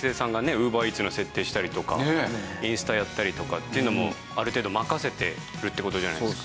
ＵｂｅｒＥａｔｓの設定したりとかインスタやったりとかっていうのもある程度任せてるって事じゃないですか。